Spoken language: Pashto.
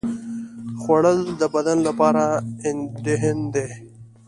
خوړل د بدن لپاره ایندھن دی